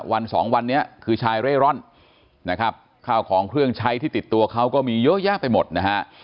วันสองวันนี้คือชายเร่ร่อนนะครับข้าวของเครื่องใช้ที่ติดตัวเขาก็มีเยอะแยะไปหมดนะฮะ